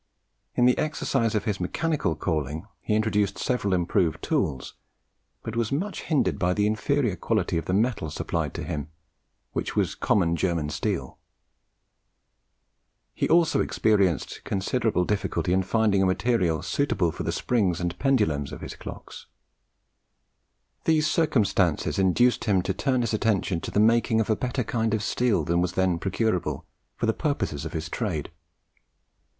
In the exercise of his mechanical calling, he introduced several improved tools, but was much hindered by the inferior quality of the metal supplied to him, which was common German steel. He also experienced considerable difficulty in finding a material suitable for the springs and pendulums of his clocks. These circumstances induced him to turn his attention to the making of a better kind of steel than was then procurable, for the purposes of his trade.